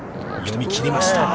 読み切りました。